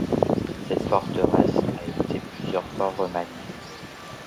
Cette forteresse a été plusieurs fois remaniée.